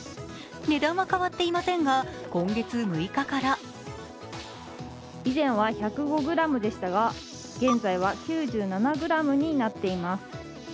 値段は変わっていませんが、今月６日から以前は１０５ｇでしたが、現在は９７ｇになっています。